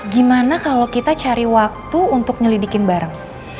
gimana kalo kita cari waktu untuk nyelidikin bareng